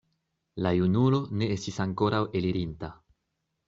La junulo ne estis ankoraŭ elirinta.